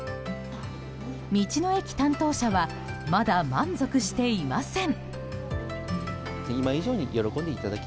道の駅担当者はまだ満足していません。